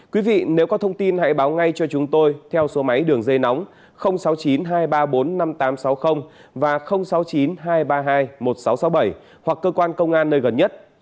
quý vị nếu có thông tin hãy báo ngay cho chúng tôi theo số máy đường dây nóng sáu mươi chín hai trăm ba mươi bốn năm nghìn tám trăm sáu mươi và sáu mươi chín hai trăm ba mươi hai một nghìn sáu trăm sáu mươi bảy hoặc cơ quan công an nơi gần nhất